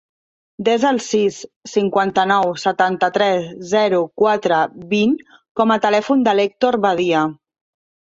Desa el sis, cinquanta-nou, setanta-tres, zero, quatre, vint com a telèfon de l'Hèctor Badia.